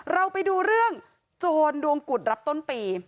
เราไปดูเรื่องโจรดวงกุฎรับต้นปี